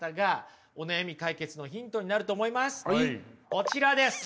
こちらです。